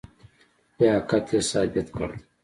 لیاقت یې ثابت کړ.